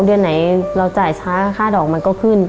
เดือนไหนเราจ่ายช้าค่าดอกมันก็ขึ้น